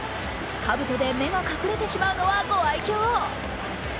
かぶとで目が隠れてしまうのはご愛きょう。